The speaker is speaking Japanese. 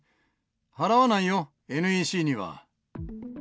払わないよ、ＮＥＣには。